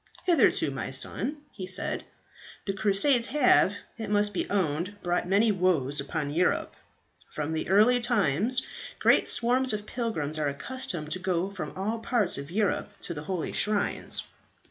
"Hitherto, my son," he said, "the Crusades have, it must be owned, brought many woes upon Europe. From the early times great swarms of pilgrims were accustomed to go from all parts of Europe to the holy shrines.